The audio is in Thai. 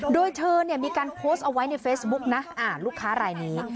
โดยเธอเนี่ยมีการโพสต์เอาไว้ในเฟซบุ๊กนะลูกค้ารายนี้